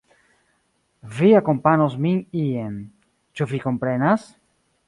Vi akompanos min ien. Ĉu vi komprenas?